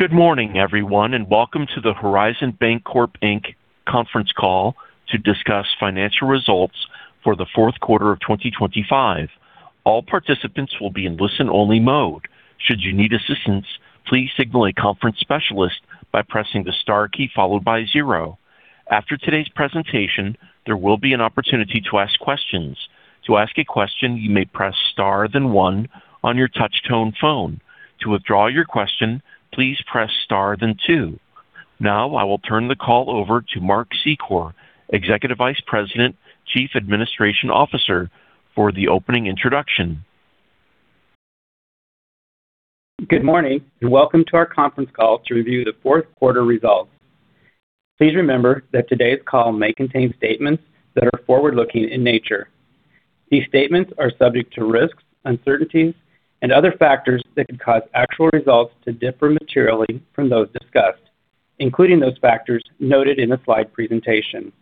Good morning, everyone, and welcome to the Horizon Bancorp, Inc. conference call to discuss financial results for the fourth quarter of 2025. All participants will be in listen-only mode. Should you need assistance, please signal a conference specialist by pressing the star key followed by zero. After today's presentation, there will be an opportunity to ask questions. To ask a question, you may press star then one on your touch-tone phone. To withdraw your question, please press star then two. Now, I will turn the call over to Mark Secor, Executive Vice President, Chief Administration Officer, for the opening introduction. Good morning, and welcome to our conference call to review the fourth quarter results. Please remember that today's call may contain statements that are forward-looking in nature. These statements are subject to risks, uncertainties, and other factors that could cause actual results to differ materially from those discussed, including those factors noted in the slide presentation.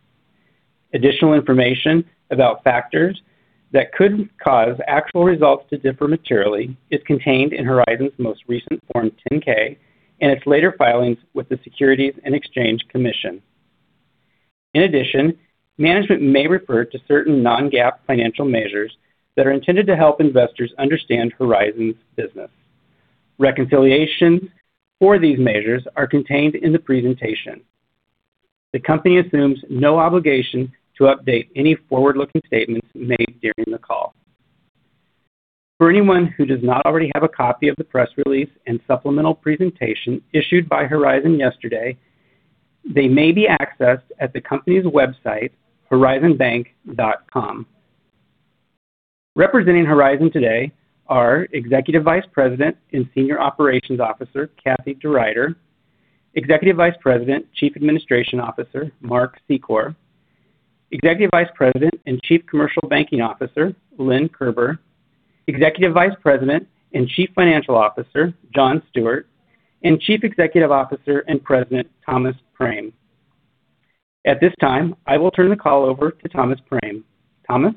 Additional information about factors that could cause actual results to differ materially is contained in Horizon's most recent Form 10-K and its later filings with the Securities and Exchange Commission. In addition, management may refer to certain non-GAAP financial measures that are intended to help investors understand Horizon's business. Reconciliations for these measures are contained in the presentation. The company assumes no obligation to update any forward-looking statements made during the call. For anyone who does not already have a copy of the press release and supplemental presentation issued by Horizon yesterday, they may be accessed at the company's website, horizonbank.com. Representing Horizon today are Executive Vice President and Senior Operations Officer, Kathie DeRuiter, Executive Vice President, Chief Administration Officer, Mark Secor, Executive Vice President and Chief Commercial Banking Officer, Lynn Kerber, Executive Vice President and Chief Financial Officer, John Stewart, and Chief Executive Officer and President, Thomas Prame. At this time, I will turn the call over to Thomas Prame. Thomas.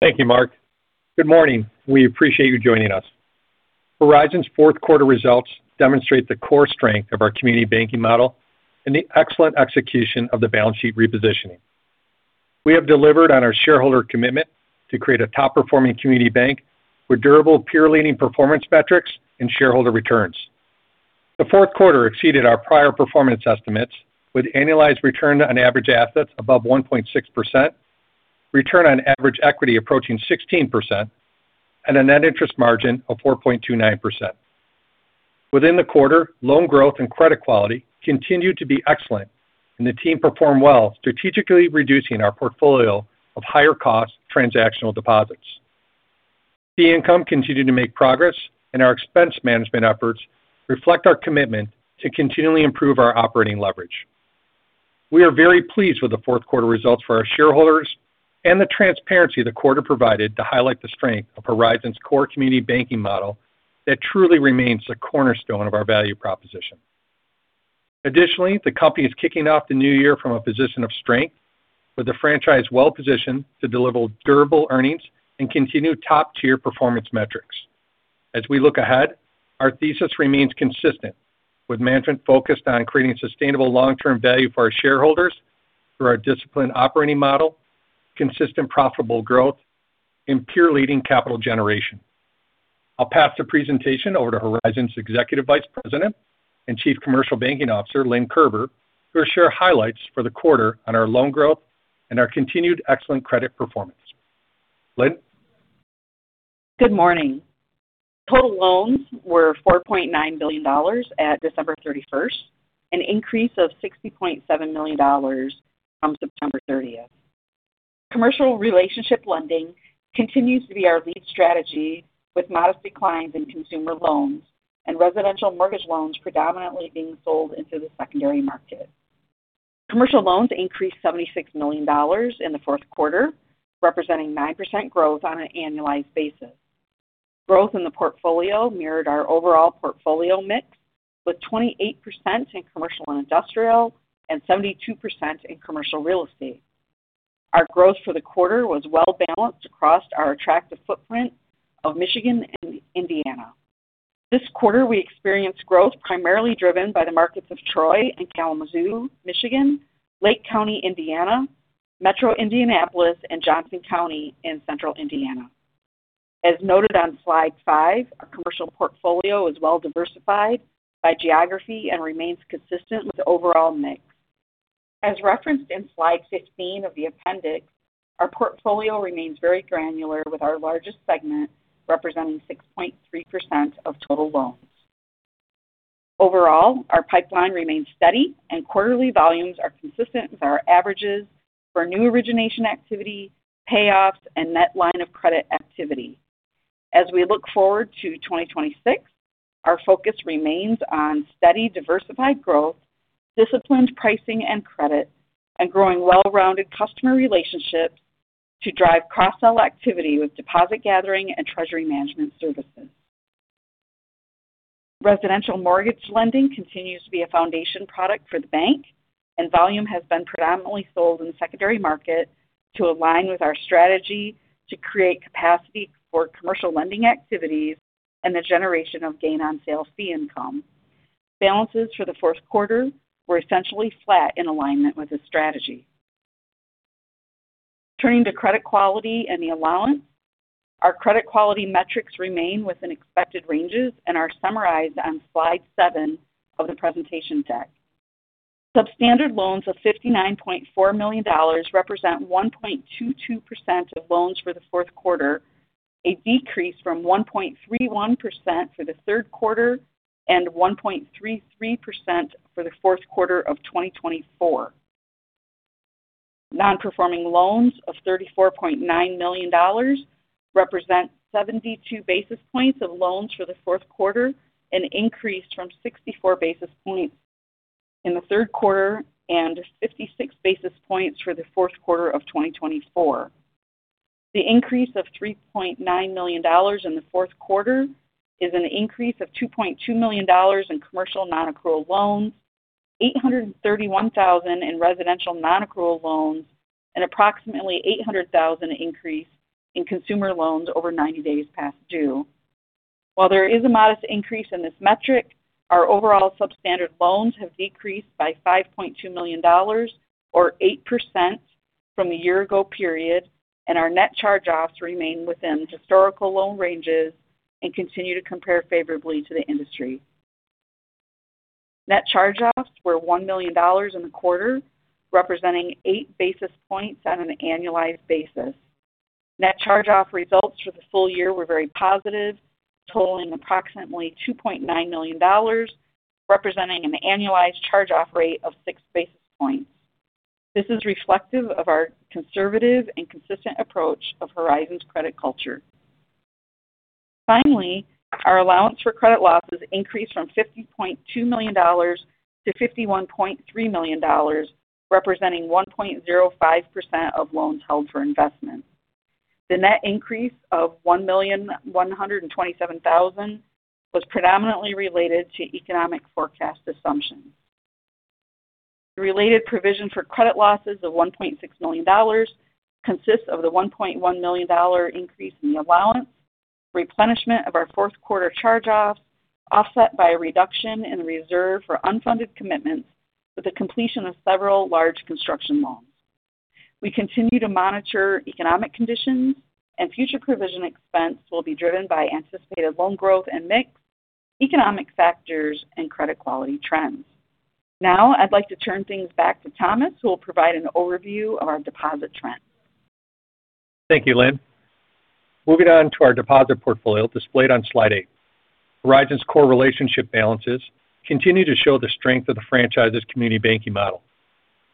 Thank you, Mark. Good morning. We appreciate you joining us. Horizon's fourth quarter results demonstrate the core strength of our community banking model and the excellent execution of the balance sheet repositioning. We have delivered on our shareholder commitment to create a top-performing community bank with durable, peer-leading performance metrics and shareholder returns. The fourth quarter exceeded our prior performance estimates with annualized return on average assets above 1.6%, return on average equity approaching 16%, and a net interest margin of 4.29%. Within the quarter, loan growth and credit quality continued to be excellent, and the team performed well, strategically reducing our portfolio of higher-cost transactional deposits. The income continued to make progress, and our expense management efforts reflect our commitment to continually improve our operating leverage. We are very pleased with the fourth quarter results for our shareholders and the transparency the quarter provided to highlight the strength of Horizon's core community banking model that truly remains a cornerstone of our value proposition. Additionally, the company is kicking off the new year from a position of strength, with the franchise well-positioned to deliver durable earnings and continue top-tier performance metrics. As we look ahead, our thesis remains consistent, with management focused on creating sustainable long-term value for our shareholders through our disciplined operating model, consistent profitable growth, and peer-leading capital generation. I'll pass the presentation over to Horizon's Executive Vice President and Chief Commercial Banking Officer, Lynn Kerber, who will share highlights for the quarter on our loan growth and our continued excellent credit performance. Lynn. Good morning. Total loans were $4.9 billion at December 31st and an increase of $60.7 million from September 30th. Commercial relationship lending continues to be our lead strategy, with modest declines in consumer loans and residential mortgage loans predominantly being sold into the secondary market. Commercial loans increased $76 million in the fourth quarter, representing 9% growth on an annualized basis. Growth in the portfolio mirrored our overall portfolio mix, with 28% in commercial and industrial and 72% in commercial real estate. Our growth for the quarter was well-balanced across our attractive footprint of Michigan and Indiana. This quarter, we experienced growth primarily driven by the markets of Troy and Kalamazoo, Michigan, Lake County, Indiana, Metro Indianapolis, and Johnson County in Central Indiana. As noted on slide five, our commercial portfolio is well-diversified by geography and remains consistent with the overall mix. As referenced in slide 15 of the appendix, our portfolio remains very granular, with our largest segment representing 6.3% of total loans. Overall, our pipeline remains steady, and quarterly volumes are consistent with our averages for new origination activity, payoffs, and net line of credit activity. As we look forward to 2026, our focus remains on steady, diversified growth, disciplined pricing and credit, and growing well-rounded customer relationships to drive cross-sell activity with deposit gathering and treasury management services. Residential mortgage lending continues to be a foundation product for the bank, and volume has been predominantly sold in the secondary market to align with our strategy to create capacity for commercial lending activities and the generation of gain-on-sale fee income. Balances for the fourth quarter were essentially flat in alignment with the strategy. Turning to credit quality and the allowance, our credit quality metrics remain within expected ranges and are summarized on slide seven of the presentation deck. Substandard loans of $59.4 million represent 1.22% of loans for the fourth quarter, a decrease from 1.31% for the third quarter and 1.33% for the fourth quarter of 2024. Non-performing loans of $34.9 million represent 72 basis points of loans for the fourth quarter, an increase from 64 basis points in the third quarter and 56 basis points for the fourth quarter of 2024. The increase of $3.9 million in the fourth quarter is an increase of $2.2 million in commercial non-accrual loans, $831,000 in residential non-accrual loans, and approximately $800,000 increase in consumer loans over 90 days past due. While there is a modest increase in this metric, our overall substandard loans have decreased by $5.2 million, or 8% from the year-ago period, and our net charge-offs remain within historical loan ranges and continue to compare favorably to the industry. Net charge-offs were $1 million in the quarter, representing 8 basis points on an annualized basis. Net charge-off results for the full year were very positive, totaling approximately $2.9 million, representing an annualized charge-off rate of 6 basis points. This is reflective of our conservative and consistent approach of Horizon's credit culture. Finally, our allowance for credit losses increased from $50.2 million-$51.3 million, representing 1.05% of loans held for investment. The net increase of $1,127,000 was predominantly related to economic forecast assumptions. The related provision for credit losses of $1.6 million consists of the $1.1 million increase in the allowance, replenishment of our fourth quarter charge-offs offset by a reduction in the reserve for unfunded commitments with the completion of several large construction loans. We continue to monitor economic conditions, and future provision expense will be driven by anticipated loan growth and mix, economic factors, and credit quality trends. Now, I'd like to turn things back to Thomas, who will provide an overview of our deposit trends. Thank you, Lynn. Moving on to our deposit portfolio displayed on slide eight, Horizon's core relationship balances continue to show the strength of the franchise's community banking model.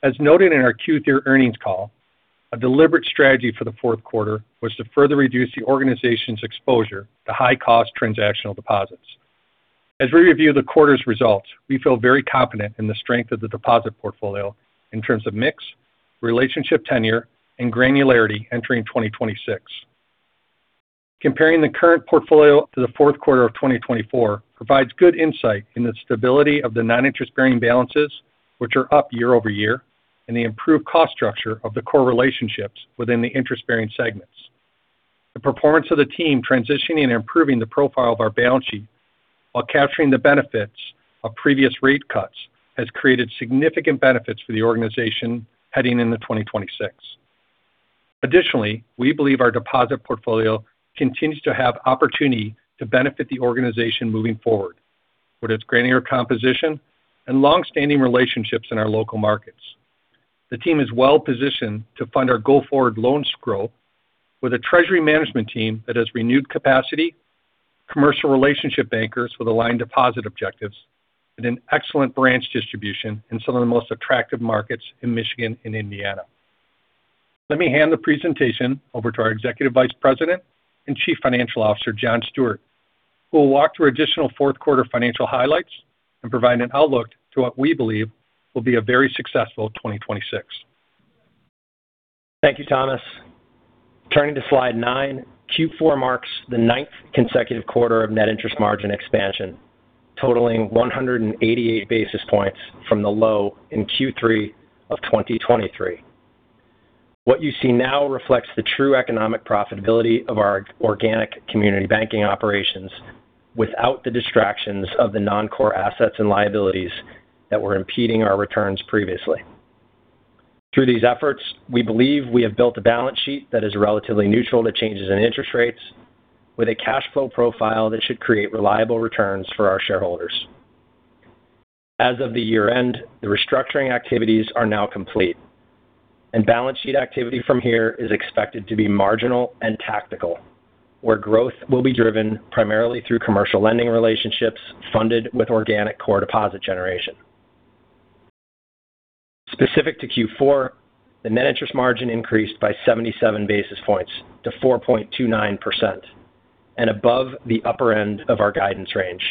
As noted in our Q3 earnings call, a deliberate strategy for the fourth quarter was to further reduce the organization's exposure to high-cost transactional deposits. As we review the quarter's results, we feel very confident in the strength of the deposit portfolio in terms of mix, relationship tenure, and granularity entering 2026. Comparing the current portfolio to the fourth quarter of 2024 provides good insight into the stability of the non-interest-bearing balances, which are up year-over-year, and the improved cost structure of the core relationships within the interest-bearing segments. The performance of the team transitioning and improving the profile of our balance sheet while capturing the benefits of previous rate cuts has created significant benefits for the organization heading into 2026. Additionally, we believe our deposit portfolio continues to have opportunity to benefit the organization moving forward, with its granular composition and long-standing relationships in our local markets. The team is well-positioned to fund our go-forward loans growth, with a treasury management team that has renewed capacity, commercial relationship bankers with aligned deposit objectives, and an excellent branch distribution in some of the most attractive markets in Michigan and Indiana. Let me hand the presentation over to our Executive Vice President and Chief Financial Officer, John Stewart, who will walk through additional fourth-quarter financial highlights and provide an outlook to what we believe will be a very successful 2026. Thank you, Thomas. Turning to slide nine, Q4 marks the ninth consecutive quarter of net interest margin expansion, totaling 188 basis points from the low in Q3 of 2023. What you see now reflects the true economic profitability of our organic community banking operations without the distractions of the non-core assets and liabilities that were impeding our returns previously. Through these efforts, we believe we have built a balance sheet that is relatively neutral to changes in interest rates, with a cash flow profile that should create reliable returns for our shareholders. As of the year-end, the restructuring activities are now complete, and balance sheet activity from here is expected to be marginal and tactical, where growth will be driven primarily through commercial lending relationships funded with organic core deposit generation. Specific to Q4, the net interest margin increased by 77 basis points to 4.29% and above the upper end of our guidance range.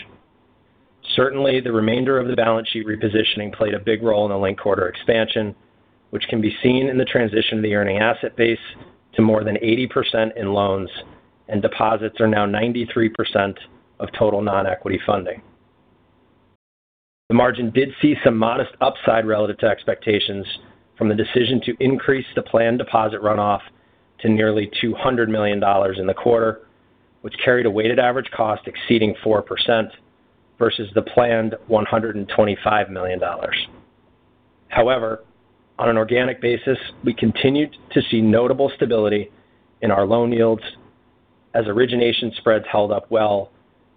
Certainly, the remainder of the balance sheet repositioning played a big role in the linked quarter expansion, which can be seen in the transition of the earning asset base to more than 80% in loans, and deposits are now 93% of total non-equity funding. The margin did see some modest upside relative to expectations from the decision to increase the planned deposit runoff to nearly $200 million in the quarter, which carried a weighted average cost exceeding 4% versus the planned $125 million. However, on an organic basis, we continued to see notable stability in our loan yields as origination spreads held up well,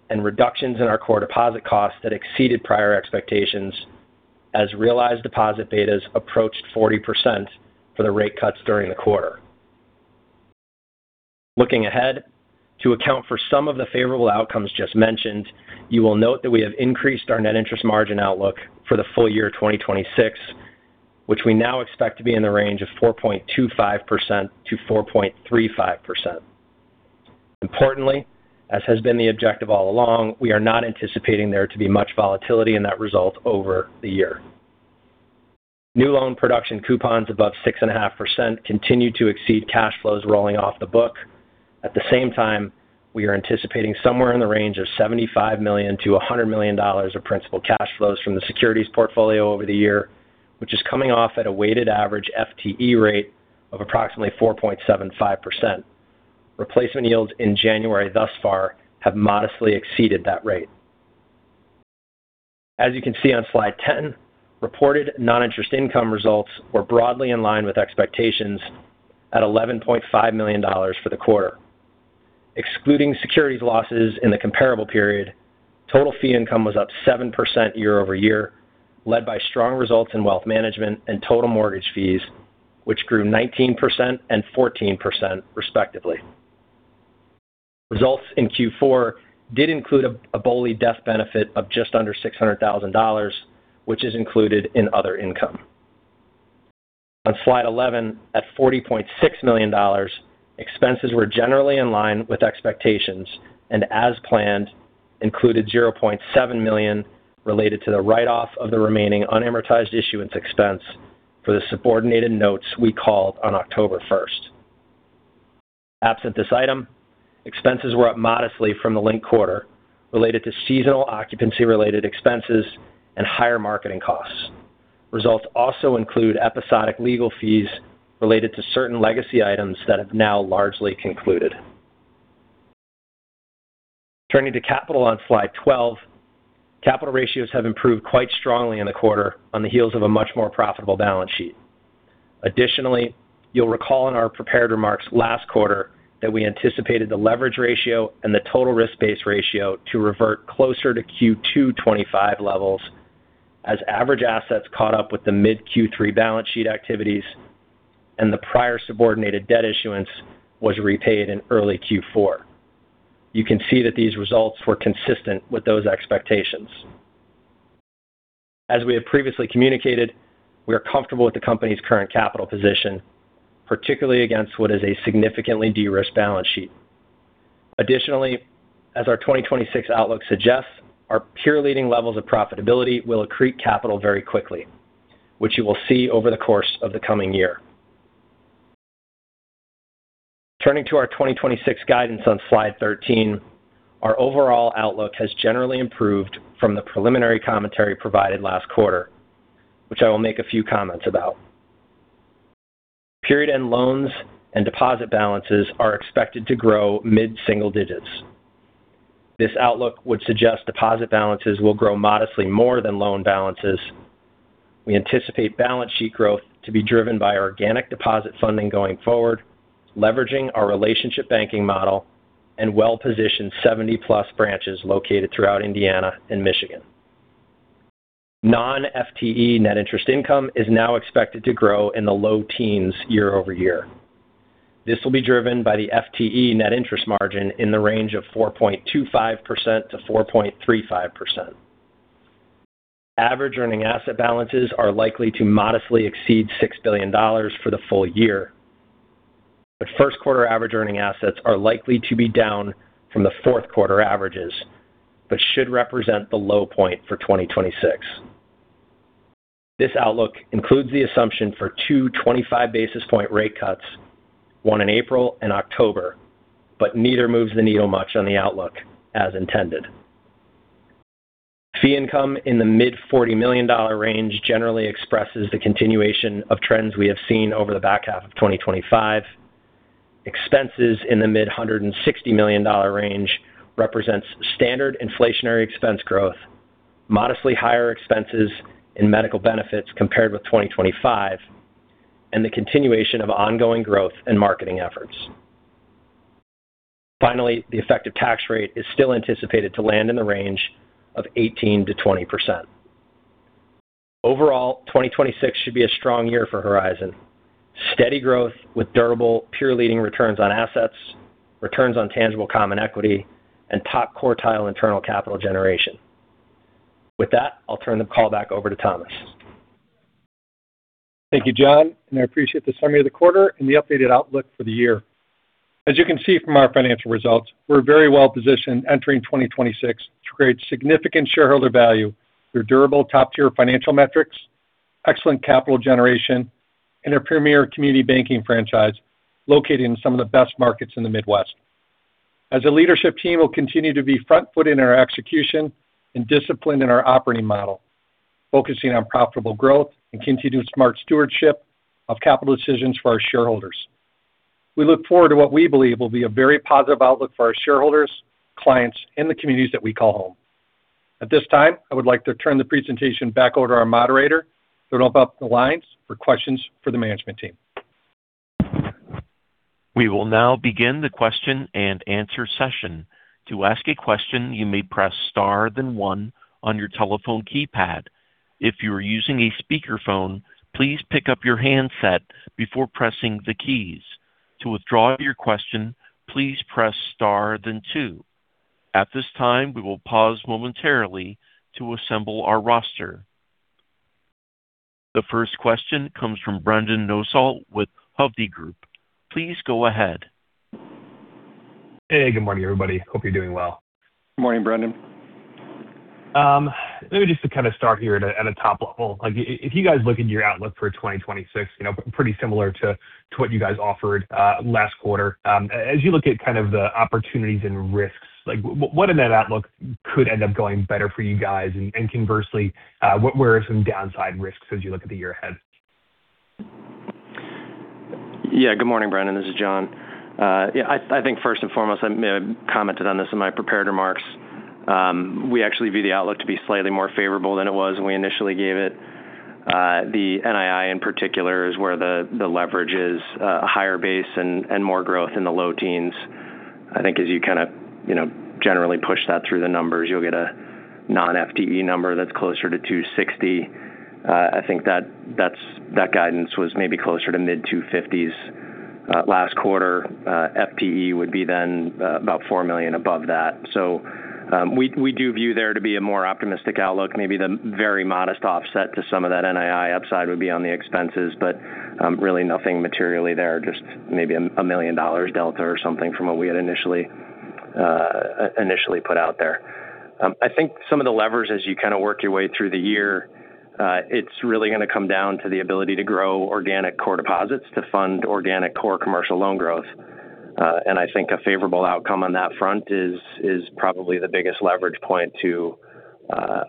and reductions in our core deposit costs that exceeded prior expectations as realized deposit betas approached 40% for the rate cuts during the quarter. Looking ahead, to account for some of the favorable outcomes just mentioned, you will note that we have increased our net interest margin outlook for the full year 2026, which we now expect to be in the range of 4.25%-4.35%. Importantly, as has been the objective all along, we are not anticipating there to be much volatility in that result over the year. New loan production coupons above 6.5% continue to exceed cash flows rolling off the book. At the same time, we are anticipating somewhere in the range of $75 million-$100 million of principal cash flows from the securities portfolio over the year, which is coming off at a weighted average FTE rate of approximately 4.75%. Replacement yields in January thus far have modestly exceeded that rate. As you can see on slide 10, reported non-interest income results were broadly in line with expectations at $11.5 million for the quarter. Excluding securities losses in the comparable period, total fee income was up 7% year-over-year, led by strong results in wealth management and total mortgage fees, which grew 19% and 14%, respectively. Results in Q4 did include a BOLI death benefit of just under $600,000, which is included in other income. On slide 11, at $40.6 million, expenses were generally in line with expectations and, as planned, included $0.7 million related to the write-off of the remaining unamortized issuance expense for the subordinated notes we called on October 1st. Absent this item, expenses were up modestly from the linked quarter related to seasonal occupancy-related expenses and higher marketing costs. Results also include episodic legal fees related to certain legacy items that have now largely concluded. Turning to capital on slide 12, capital ratios have improved quite strongly in the quarter on the heels of a much more profitable balance sheet. Additionally, you'll recall in our prepared remarks last quarter that we anticipated the leverage ratio and the total risk-based ratio to revert closer to Q2 2025 levels as average assets caught up with the mid-Q3 balance sheet activities and the prior subordinated debt issuance was repaid in early Q4. You can see that these results were consistent with those expectations. As we have previously communicated, we are comfortable with the company's current capital position, particularly against what is a significantly de-risked balance sheet. Additionally, as our 2026 outlook suggests, our peer-leading levels of profitability will accrete capital very quickly, which you will see over the course of the coming year. Turning to our 2026 guidance on slide 13, our overall outlook has generally improved from the preliminary commentary provided last quarter, which I will make a few comments about. Period-end loans and deposit balances are expected to grow mid-single digits. This outlook would suggest deposit balances will grow modestly more than loan balances. We anticipate balance sheet growth to be driven by organic deposit funding going forward, leveraging our relationship banking model and well-positioned 70-plus branches located throughout Indiana and Michigan. Non-FTE net interest income is now expected to grow in the low teens year-over-year. This will be driven by the FTE net interest margin in the range of 4.25%-4.35%. Average earning asset balances are likely to modestly exceed $6 billion for the full year, but first-quarter average earning assets are likely to be down from the fourth-quarter averages but should represent the low point for 2026. This outlook includes the assumption for two 25-basis-point rate cuts, one in April and October, but neither moves the needle much on the outlook as intended. Fee income in the mid-$40 million range generally expresses the continuation of trends we have seen over the back half of 2025. Expenses in the mid-$160 million range represent standard inflationary expense growth, modestly higher expenses in medical benefits compared with 2025, and the continuation of ongoing growth and marketing efforts. Finally, the effective tax rate is still anticipated to land in the range of 18%-20%. Overall, 2026 should be a strong year for Horizon: steady growth with durable, peer-leading returns on assets, returns on tangible common equity, and top quartile internal capital generation. With that, I'll turn the call back over to Thomas. Thank you, John, and I appreciate the summary of the quarter and the updated outlook for the year. As you can see from our financial results, we're very well-positioned entering 2026 to create significant shareholder value through durable top-tier financial metrics, excellent capital generation, and a premier community banking franchise located in some of the best markets in the Midwest. As a leadership team, we'll continue to be front-footed in our execution and disciplined in our operating model, focusing on profitable growth and continued smart stewardship of capital decisions for our shareholders. We look forward to what we believe will be a very positive outlook for our shareholders, clients, and the communities that we call home. At this time, I would like to turn the presentation back over to our moderator to open up the lines for questions for the management team. We will now begin the question-and-answer session. To ask a question, you may press star then one on your telephone keypad. If you are using a speakerphone, please pick up your handset before pressing the keys. To withdraw your question, please press star then two. At this time, we will pause momentarily to assemble our roster. The first question comes from Brendan Nosal with Hovde Group. Please go ahead. Hey, good morning, everybody. Hope you're doing well. Good morning, Brendan. Let me just kind of start here at a top level. If you guys look at your outlook for 2026, pretty similar to what you guys offered last quarter, as you look at kind of the opportunities and risks, what in that outlook could end up going better for you guys? And conversely, where are some downside risks as you look at the year ahead? Yeah, good morning, Brendan. This is John. Yeah, I think first and foremost, I commented on this in my prepared remarks. We actually view the outlook to be slightly more favorable than it was when we initially gave it. The NII, in particular, is where the leverage is a higher base and more growth in the low teens. I think as you kind of generally push that through the numbers, you'll get a non-FTE number that's closer to 260. I think that guidance was maybe closer to mid-250s. Last quarter, FTE would be then about $4 million above that. So we do view there to be a more optimistic outlook. Maybe the very modest offset to some of that NII upside would be on the expenses, but really nothing materially there, just maybe a $1 million delta or something from what we had initially put out there. I think some of the levers, as you kind of work your way through the year, it's really going to come down to the ability to grow organic core deposits to fund organic core commercial loan growth. And I think a favorable outcome on that front is probably the biggest leverage point to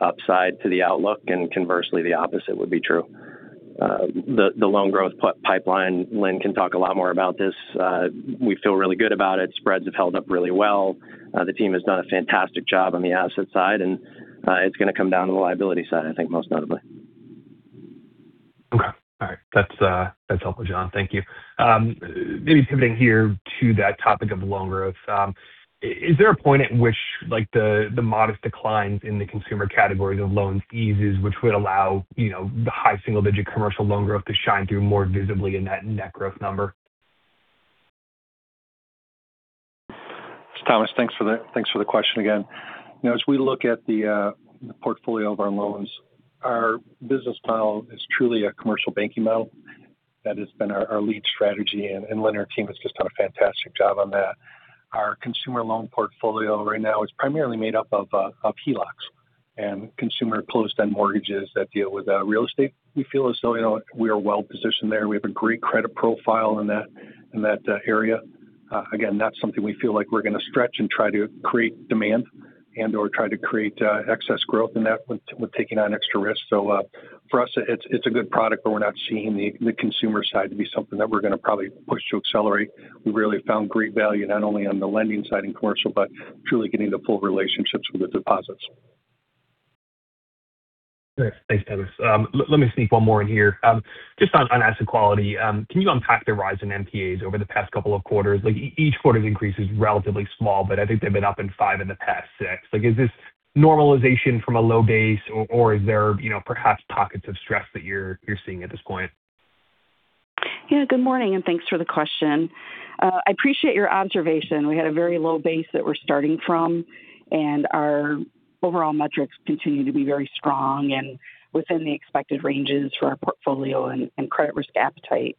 upside to the outlook, and conversely, the opposite would be true. The loan growth pipeline, Lynn can talk a lot more about this. We feel really good about it. Spreads have held up really well. The team has done a fantastic job on the asset side, and it's going to come down to the liability side, I think, most notably. Okay. All right. That's helpful, John. Thank you. Maybe pivoting here to that topic of loan growth, is there a point at which the modest declines in the consumer category of loans eases, which would allow the high single-digit commercial loan growth to shine through more visibly in that net growth number? Thomas, thanks for the question again. As we look at the portfolio of our loans, our business model is truly a commercial banking model. That has been our lead strategy, and Lynn and her team have just done a fantastic job on that. Our consumer loan portfolio right now is primarily made up of HELOCs and consumer closed-end mortgages that deal with real estate. We feel as though we are well-positioned there. We have a great credit profile in that area. Again, not something we feel like we're going to stretch and try to create demand and/or try to create excess growth in that with taking on extra risk. So for us, it's a good product, but we're not seeing the consumer side to be something that we're going to probably push to accelerate. We've really found great value not only on the lending side in commercial, but truly getting the full relationships with the deposits. Thanks, Thomas. Let me sneak one more in here. Just on asset quality, can you unpack the Horizon NPAs over the past couple of quarters? Each quarter's increase is relatively small, but I think they've been up in five in the past six. Is this normalization from a low base, or is there perhaps pockets of stress that you're seeing at this point? Yeah, good morning, and thanks for the question. I appreciate your observation. We had a very low base that we're starting from, and our overall metrics continue to be very strong and within the expected ranges for our portfolio and credit risk appetite.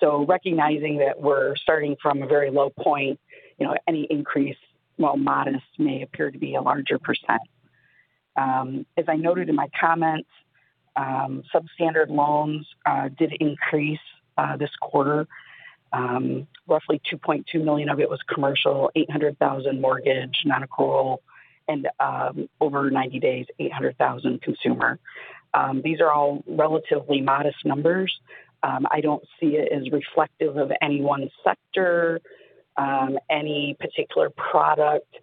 So recognizing that we're starting from a very low point, any increase, while modest, may appear to be a larger percent. As I noted in my comments, substandard loans did increase this quarter. Roughly $2.2 million of it was commercial, $800,000 mortgage, nonaccrual, and over 90 days, $800,000 consumer. These are all relatively modest numbers. I don't see it as reflective of any one sector, any particular product.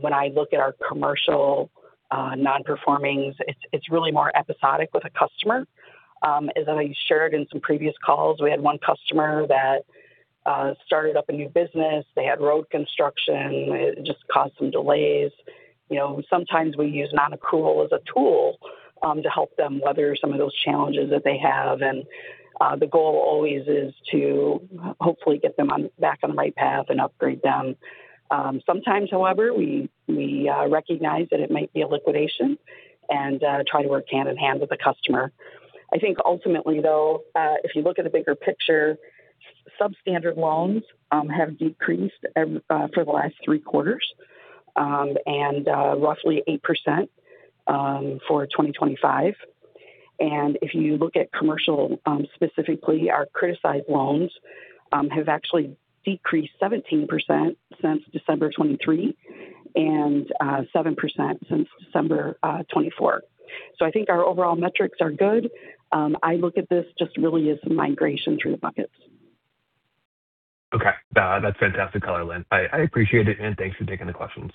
When I look at our commercial nonperformings, it's really more episodic with a customer. As I shared in some previous calls, we had one customer that started up a new business. They had road construction. It just caused some delays. Sometimes we use non-accrual as a tool to help them weather some of those challenges that they have. And the goal always is to hopefully get them back on the right path and upgrade them. Sometimes, however, we recognize that it might be a liquidation and try to work hand in hand with the customer. I think ultimately, though, if you look at the bigger picture, substandard loans have decreased for the last three quarters and roughly 8% for 2025. And if you look at commercial specifically, our criticized loans have actually decreased 17% since December 2023 and 7% since December 2024. So I think our overall metrics are good. I look at this just really as some migration through the buckets. Okay. That's fantastic color, Lynn. I appreciate it, and thanks for taking the questions.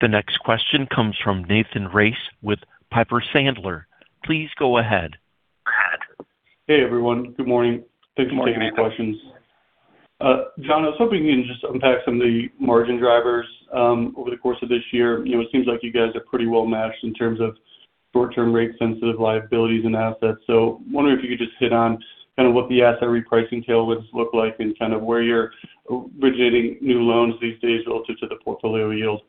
The next question comes from Nathan Race with Piper Sandler. Please go ahead. Hey, everyone. Good morning. Thanks for taking the questions. John, I was hoping you can just unpack some of the margin drivers over the course of this year. It seems like you guys are pretty well-matched in terms of short-term rate-sensitive liabilities and assets. So I'm wondering if you could just hit on kind of what the asset repricing tailwinds look like and kind of where you're originating new loans these days relative to the portfolio yield.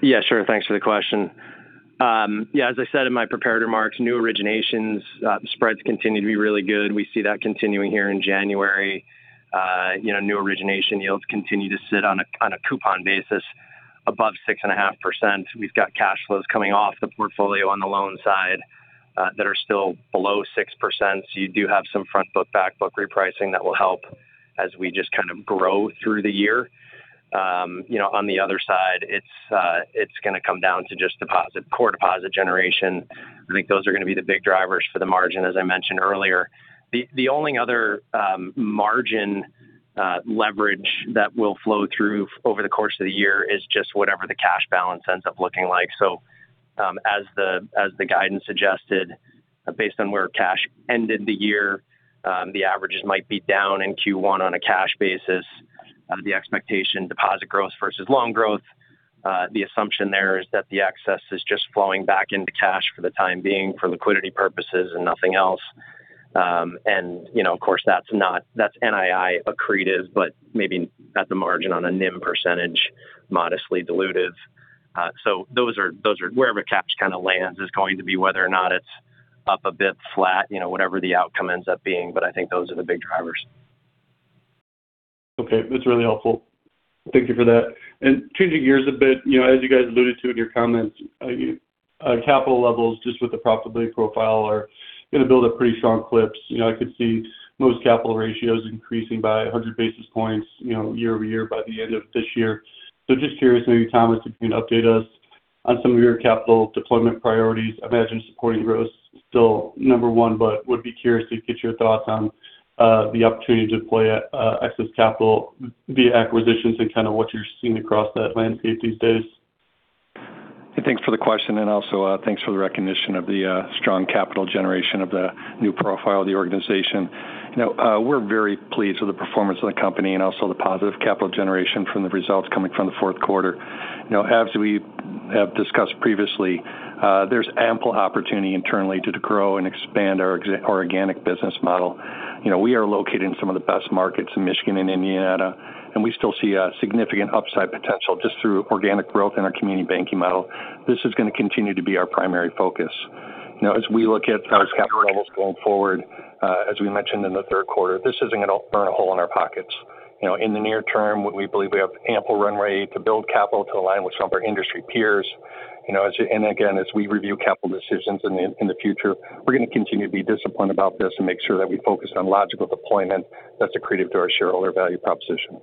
Yeah, sure. Thanks for the question. Yeah, as I said in my prepared remarks, new originations spreads continue to be really good. We see that continuing here in January. New origination yields continue to sit on a coupon basis above 6.5%. We've got cash flows coming off the portfolio on the loan side that are still below 6%. So you do have some front-book, back-book repricing that will help as we just kind of grow through the year. On the other side, it's going to come down to just core deposit generation. I think those are going to be the big drivers for the margin, as I mentioned earlier. The only other margin leverage that will flow through over the course of the year is just whatever the cash balance ends up looking like. As the guidance suggested, based on where cash ended the year, the averages might be down in Q1 on a cash basis. The expectation, deposit growth versus loan growth, the assumption there is that the excess is just flowing back into cash for the time being for liquidity purposes and nothing else. Of course, that's NII accretive, but maybe at the margin on a NIM percentage, modestly dilutive. Those are wherever cash kind of lands is going to be whether or not it's up a bit, flat, whatever the outcome ends up being. I think those are the big drivers. Okay. That's really helpful. Thank you for that. And changing gears a bit, as you guys alluded to in your comments, capital levels just with the profitability profile are going to build up pretty strong clips. I could see most capital ratios increasing by 100 basis points year-over-year by the end of this year. So just curious, maybe, Thomas, if you can update us on some of your capital deployment priorities. I imagine supporting growth is still number one, but would be curious to get your thoughts on the opportunity to deploy excess capital via acquisitions and kind of what you're seeing across that landscape these days. Thanks for the question, and also thanks for the recognition of the strong capital generation of the new profile of the organization. We're very pleased with the performance of the company and also the positive capital generation from the results coming from the fourth quarter. As we have discussed previously, there's ample opportunity internally to grow and expand our organic business model. We are located in some of the best markets in Michigan and Indiana, and we still see significant upside potential just through organic growth in our community banking model. This is going to continue to be our primary focus. As we look at our capital levels going forward, as we mentioned in the third quarter, this isn't going to burn a hole in our pockets. In the near term, we believe we have ample runway to build capital to align with some of our industry peers. And again, as we review capital decisions in the future, we're going to continue to be disciplined about this and make sure that we focus on logical deployment that's accretive to our shareholder value proposition.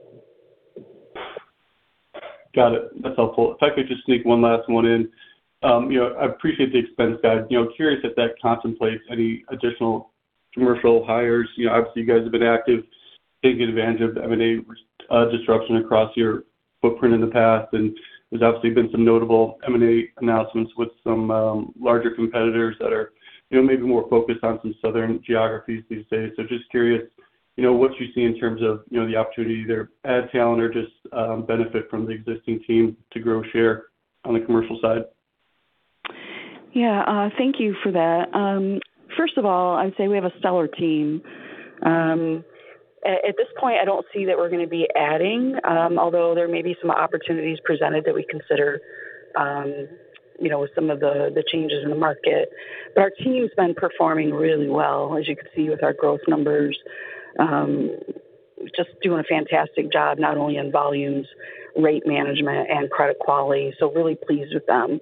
Got it. That's helpful. If I could just sneak one last one in, I appreciate the expense guide. Curious if that contemplates any additional commercial hires. Obviously, you guys have been active, taking advantage of M&A disruption across your footprint in the past. And there's obviously been some notable M&A announcements with some larger competitors that are maybe more focused on some southern geographies these days. So just curious, what you see in terms of the opportunity either to add talent or just benefit from the existing team to grow share on the commercial side? Yeah. Thank you for that. First of all, I'd say we have a stellar team. At this point, I don't see that we're going to be adding, although there may be some opportunities presented that we consider with some of the changes in the market. But our team's been performing really well, as you can see with our growth numbers. Just doing a fantastic job, not only in volumes, rate management, and credit quality. So really pleased with them.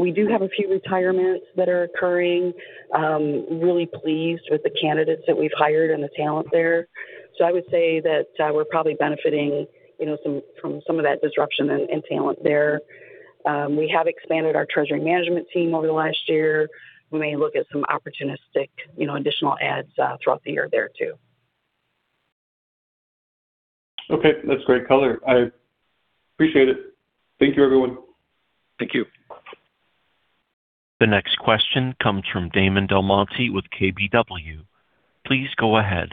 We do have a few retirements that are occurring. Really pleased with the candidates that we've hired and the talent there. So I would say that we're probably benefiting from some of that disruption and talent there. We have expanded our treasury management team over the last year. We may look at some opportunistic additional adds throughout the year there too. Okay. That's great color. I appreciate it. Thank you, everyone. Thank you. The next question comes from Damon DelMonte with KBW. Please go ahead.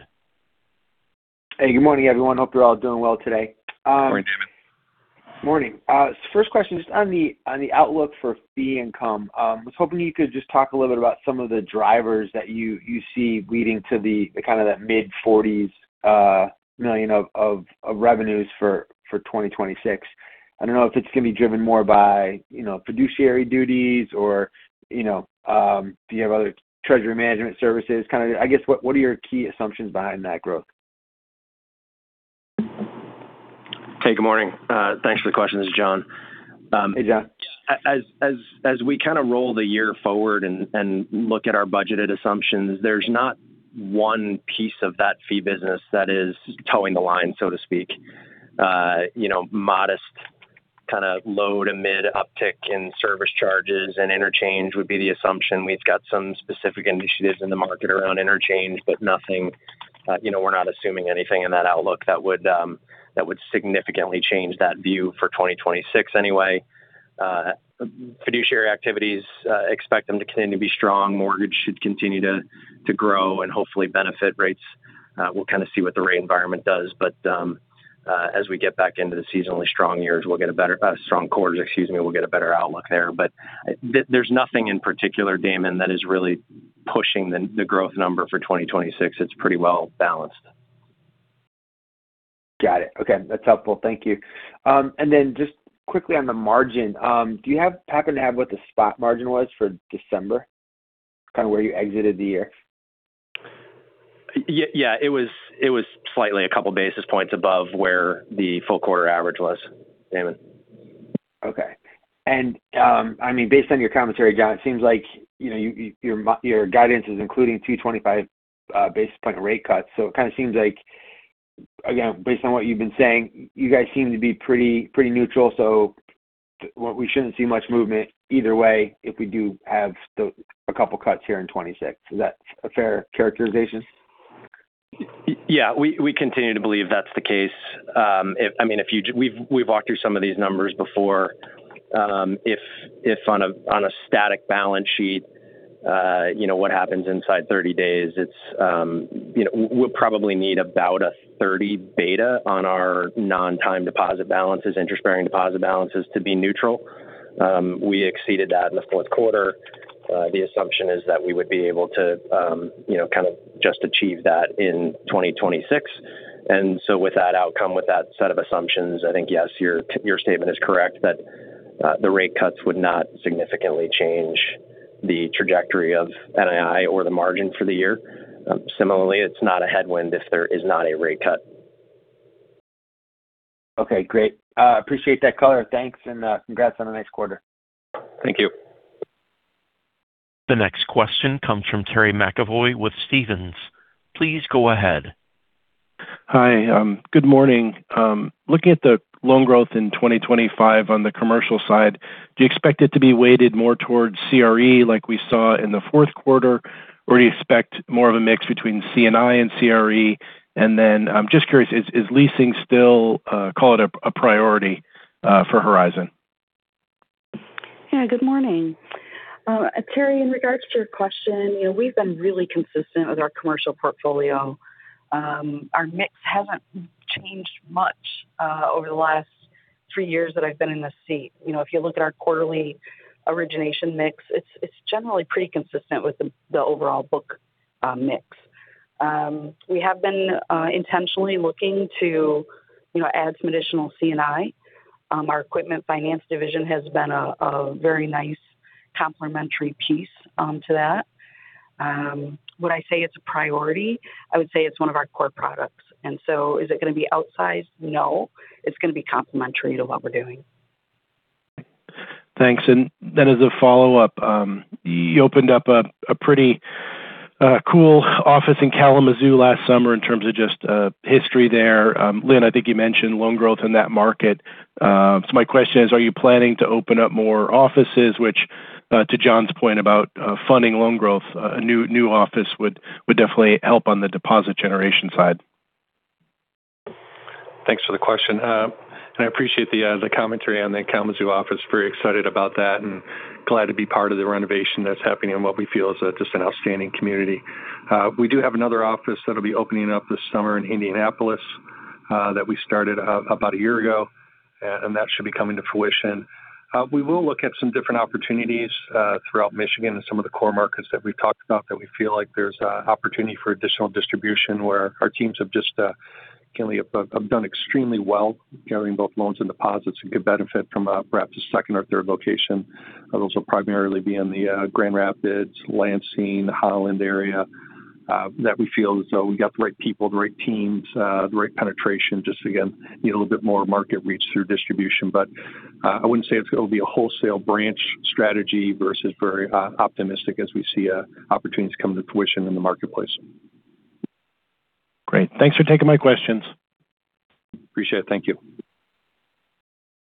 Hey, good morning, everyone. Hope you're all doing well today. Morning, Damon. Morning. First question, just on the outlook for fee income, I was hoping you could just talk a little bit about some of the drivers that you see leading to the kind of that mid-$40s million of revenues for 2026. I don't know if it's going to be driven more by fiduciary duties or do you have other treasury management services? Kind of, I guess, what are your key assumptions behind that growth? Hey, good morning. Thanks for the question. This is John. Hey, John. Yeah. As we kind of roll the year forward and look at our budgeted assumptions, there's not one piece of that fee business that is toeing the line, so to speak. Modest kind of low to mid uptick in service charges and interchange would be the assumption. We've got some specific initiatives in the market around interchange, but nothing we're not assuming anything in that outlook that would significantly change that view for 2026 anyway. Fiduciary activities, expect them to continue to be strong. Mortgage should continue to grow and hopefully benefit rates. We'll kind of see what the rate environment does. But as we get back into the seasonally strong years, we'll get a better strong quarters, excuse me, we'll get a better outlook there. But there's nothing in particular, Damon, that is really pushing the growth number for 2026. It's pretty well balanced. Got it. Okay. That's helpful. Thank you. And then just quickly on the margin, do you happen to have what the spot margin was for December, kind of where you exited the year? Yeah. It was slightly a couple of basis points above where the full quarter average was, Damon. Okay, and I mean, based on your commentary, John, it seems like your guidance is including two 25 basis point rate cuts. So it kind of seems like, again, based on what you've been saying, you guys seem to be pretty neutral. So we shouldn't see much movement either way if we do have a couple of cuts here in 2026. Is that a fair characterization? Yeah. We continue to believe that's the case. I mean, we've walked through some of these numbers before. If on a static balance sheet, what happens inside 30 days, we'll probably need about a 30 beta on our non-time deposit balances, interest-bearing deposit balances to be neutral. We exceeded that in the fourth quarter. The assumption is that we would be able to kind of just achieve that in 2026. And so with that outcome, with that set of assumptions, I think, yes, your statement is correct that the rate cuts would not significantly change the trajectory of NII or the margin for the year. Similarly, it's not a headwind if there is not a rate cut. Okay. Great. Appreciate that color. Thanks and congrats on the next quarter. Thank you. The next question comes from Terry McEvoy with Stephens. Please go ahead. Hi. Good morning. Looking at the loan growth in 2025 on the commercial side, do you expect it to be weighted more towards CRE like we saw in the fourth quarter, or do you expect more of a mix between C&I and CRE? And then I'm just curious, is leasing still, call it a priority for Horizon? Yeah. Good morning. Terry, in regards to your question, we've been really consistent with our commercial portfolio. Our mix hasn't changed much over the last three years that I've been in the seat. If you look at our quarterly origination mix, it's generally pretty consistent with the overall book mix. We have been intentionally looking to add some additional C&I. Our equipment finance division has been a very nice complementary piece to that. Would I say it's a priority? I would say it's one of our core products. And so is it going to be outsized? No. It's going to be complementary to what we're doing. Thanks. And then as a follow-up, you opened up a pretty cool office in Kalamazoo last summer in terms of just history there. Lynn, I think you mentioned loan growth in that market. So my question is, are you planning to open up more offices, which to John's point about funding loan growth, a new office would definitely help on the deposit generation side? Thanks for the question. I appreciate the commentary on the Kalamazoo office. Very excited about that and glad to be part of the renovation that's happening in what we feel is just an outstanding community. We do have another office that'll be opening up this summer in Indianapolis that we started about a year ago, and that should be coming to fruition. We will look at some different opportunities throughout Michigan and some of the core markets that we've talked about that we feel like there's opportunity for additional distribution where our teams have just done extremely well carrying both loans and deposits and could benefit from perhaps a second or third location. Those will primarily be in the Grand Rapids, Lansing, Holland area that we feel as though we got the right people, the right teams, the right penetration. Just, again, need a little bit more market reach through distribution. But I wouldn't say it'll be a wholesale branch strategy versus very optimistic as we see opportunities come to fruition in the marketplace. Great. Thanks for taking my questions. Appreciate it. Thank you.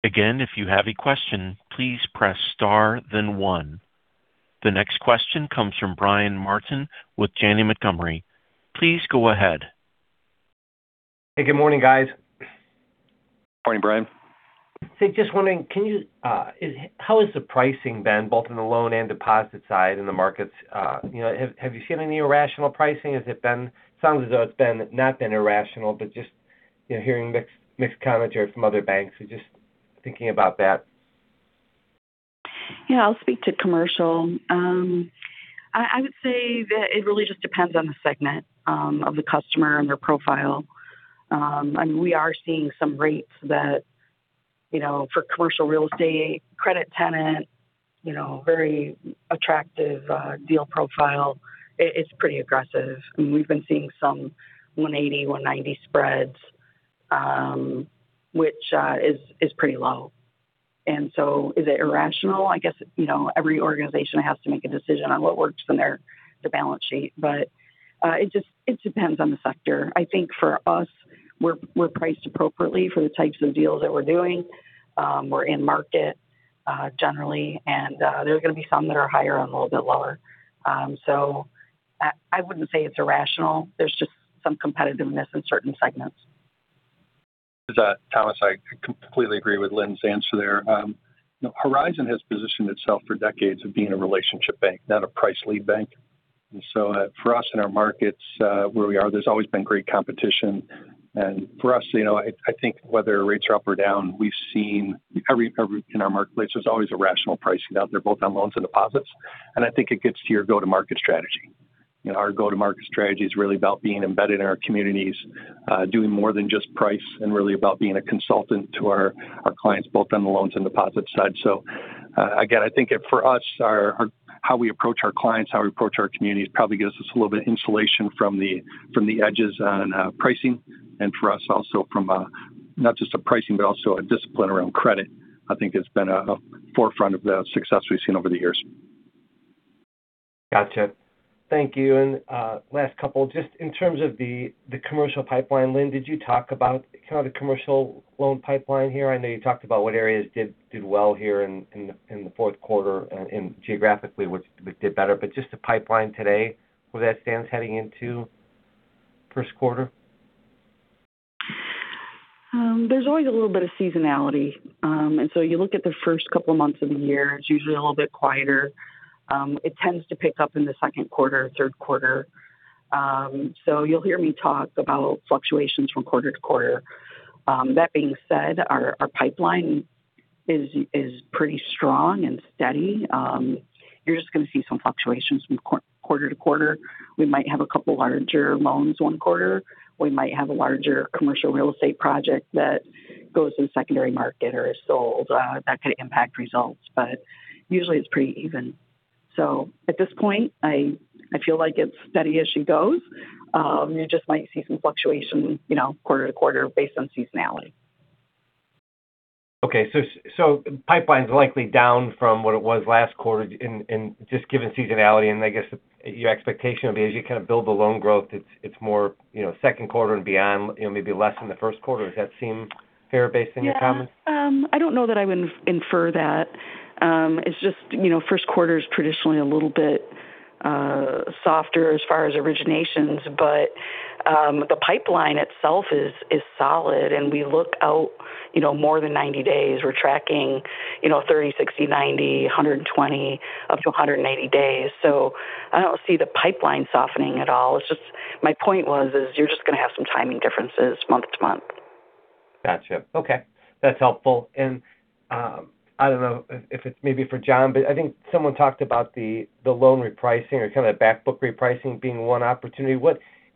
Again, if you have a question, please press star, then one. The next question comes from Brian Martin with Janney Montgomery. Please go ahead. Hey, good morning, guys. Morning, Brian. Hey, just wondering, how has the pricing been both on the loan and deposit side in the markets? Have you seen any irrational pricing? It sounds as though it's not been irrational, but just hearing mixed commentary from other banks. Just thinking about that. Yeah. I'll speak to commercial. I would say that it really just depends on the segment of the customer and their profile. I mean, we are seeing some rates that for commercial real estate, credit tenant, very attractive deal profile. It's pretty aggressive. And we've been seeing some 180-190 spreads, which is pretty low. And so is it irrational? I guess every organization has to make a decision on what works in their balance sheet. But it depends on the sector. I think for us, we're priced appropriately for the types of deals that we're doing. We're in market generally, and there's going to be some that are higher and a little bit lower. So I wouldn't say it's irrational. There's just some competitiveness in certain segments. Thomas, I completely agree with Lynn's answer there. Horizon has positioned itself for decades of being a relationship bank, not a price lead bank. And so for us in our markets where we are, there's always been great competition. And for us, I think whether rates are up or down, we've seen in our marketplace, there's always a rational pricing out there both on loans and deposits. And I think it gets to your go-to-market strategy. Our go-to-market strategy is really about being embedded in our communities, doing more than just price, and really about being a consultant to our clients both on the loans and deposit side. So again, I think for us, how we approach our clients, how we approach our communities probably gives us a little bit of insulation from the edges on pricing. For us, also from not just a pricing, but also a discipline around credit, I think has been a forefront of the success we've seen over the years. Gotcha. Thank you. And last couple, just in terms of the commercial pipeline, Lynn, did you talk about kind of the commercial loan pipeline here? I know you talked about what areas did well here in the fourth quarter and geographically did better. But just the pipeline today, where that stands heading into first quarter? There's always a little bit of seasonality, and so you look at the first couple of months of the year, it's usually a little bit quieter. It tends to pick up in the second quarter, third quarter, so you'll hear me talk about fluctuations from quarter to quarter. That being said, our pipeline is pretty strong and steady. You're just going to see some fluctuations from quarter to quarter. We might have a couple of larger loans one quarter. We might have a larger commercial real estate project that goes to the secondary market or is sold. That could impact results. But usually, it's pretty even, so at this point, I feel like it's steady as she goes. You just might see some fluctuation quarter to quarter based on seasonality. Okay. So pipeline's likely down from what it was last quarter just given seasonality. And I guess your expectation would be as you kind of build the loan growth, it's more second quarter and beyond, maybe less in the first quarter. Does that seem fair based on your comments? Yeah. I don't know that I would infer that. It's just first quarter is traditionally a little bit softer as far as originations, but the pipeline itself is solid, and we look out more than 90 days. We're tracking 30, 60, 90, 120, up to 180 days. So I don't see the pipeline softening at all. It's just my point was, you're just going to have some timing differences month to month. Gotcha. Okay. That's helpful. And I don't know if it's maybe for John, but I think someone talked about the loan repricing or kind of the backbook repricing being one opportunity.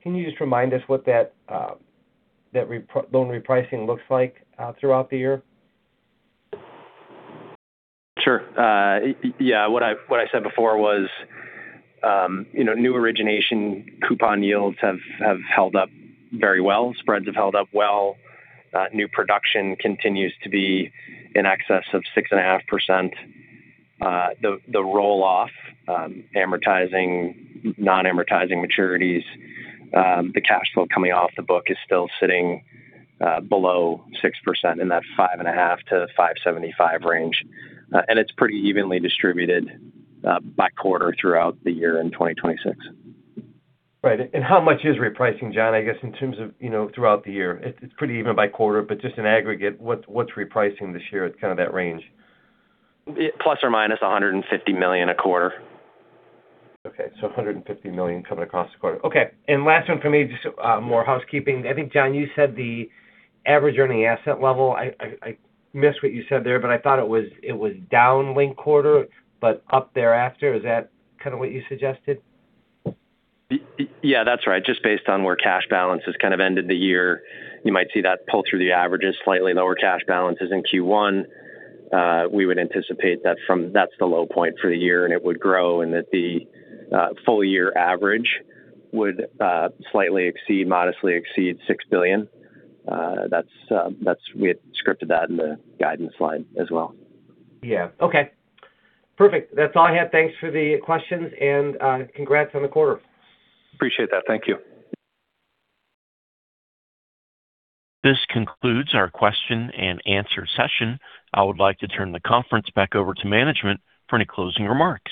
Can you just remind us what that loan repricing looks like throughout the year? Sure. Yeah. What I said before was new origination coupon yields have held up very well. Spreads have held up well. New production continues to be in excess of 6.5%. The roll-off, amortizing, non-amortizing maturities, the cash flow coming off the book is still sitting below 6% in that 5.5%-5.75% range, and it's pretty evenly distributed by quarter throughout the year in 2026. Right. And how much is repricing, John, I guess, in terms of throughout the year? It's pretty even by quarter. But just in aggregate, what's repricing this year at kind of that range? Plus or minus $150 million a quarter. Okay. So $150 million coming across the quarter. Okay. And last one for me, just more housekeeping. I think, John, you said the average earning asset level. I missed what you said there, but I thought it was down linked quarter, but up thereafter. Is that kind of what you suggested? Yeah. That's right. Just based on where cash balance has kind of ended the year, you might see that pull through the averages, slightly lower cash balances in Q1. We would anticipate that that's the low point for the year, and it would grow in the full year average would slightly exceed, modestly exceed $6 billion. We had scripted that in the guidance line as well. Yeah. Okay. Perfect. That's all I had. Thanks for the questions, and congrats on the quarter. Appreciate that. Thank you. This concludes our question and answer session. I would like to turn the conference back over to management for any closing remarks.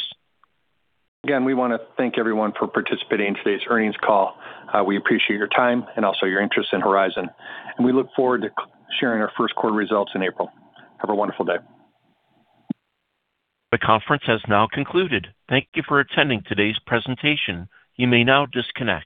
Again, we want to thank everyone for participating in today's earnings call. We appreciate your time and also your interest in Horizon, and we look forward to sharing our first quarter results in April. Have a wonderful day. The conference has now concluded. Thank you for attending today's presentation. You may now disconnect.